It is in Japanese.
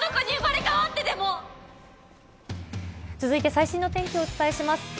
続いて最新の天気をお伝えします。